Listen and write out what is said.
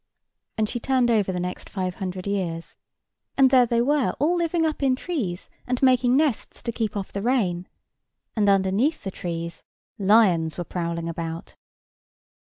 And she turned over the next five hundred years. And there they were all living up in trees, and making nests to keep off the rain. And underneath the trees lions were prowling about.